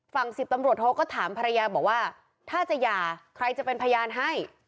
สิบตำรวจโทก็ถามภรรยาบอกว่าถ้าจะหย่าใครจะเป็นพยานให้